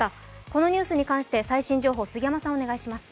このニュースに関して最新情報、杉山さんお願いします。